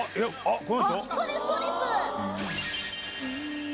そうです、そうです。